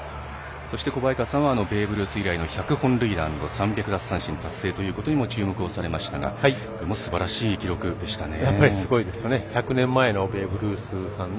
小早川さんはベーブ・ルース以来の１００本塁打３００奪三振という記録の達成ということにも注目されましたがとてもすばらしい記録でしたね。